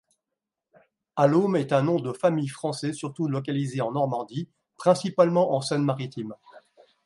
Alleaume est un nom de famille français, surtout localisé en Normandie, principalement en Seine-Maritime.